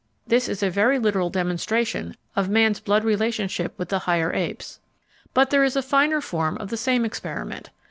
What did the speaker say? This is a very literal demonstration of man's blood relationship with the higher apes. But there is a finer form of the same experiment.